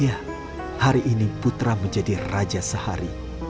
ya hari ini putra menjadi raja sehari